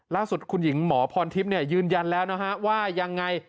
ล่าสุดคุณหญิงหมอพรทิพย์ยืนยันแล้วนะฮะว่ายังไง